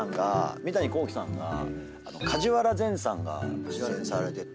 三谷幸喜さんが梶原善さんが出演されてて。